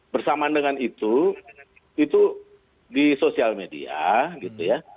bersamaan dengan itu itu di sosial media gitu ya